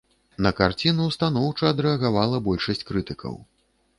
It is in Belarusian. На карціну станоўча адрэагавала большасць крытыкаў.